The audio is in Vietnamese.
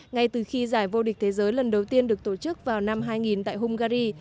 ngay từ khi giải vô địch thế giới lần đầu tiên được tổ chức vào năm hai nghìn tại hungary